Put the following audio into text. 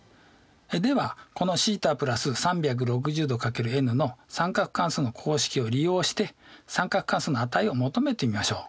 ではこのθ＋３６０°×ｎの三角関数の公式を利用して三角関数の値を求めてみましょう。